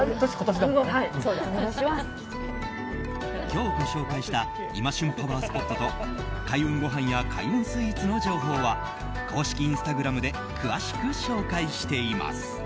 今日ご紹介した今旬パワースポットと開運ごはんや開運スイーツの情報は公式インスタグラムで詳しく紹介しています。